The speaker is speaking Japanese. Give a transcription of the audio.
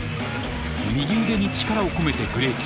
右腕に力を込めてブレーキ。